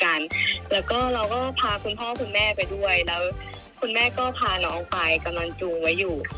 แล้วก็เราก็พาคุณพ่อคุณแม่ไปด้วยแล้วคุณแม่ก็พาน้องไปกำลังจูงไว้อยู่